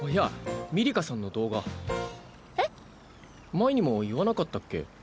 前にも言わなかったっけ？